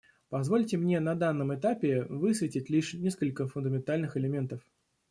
Позвольте мне на данном этапе высветить лишь несколько фундаментальных элементов.